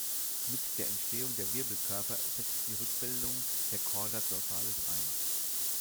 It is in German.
Mit der Entstehung der Wirbelkörper setzt die Rückbildung der Chorda dorsalis ein.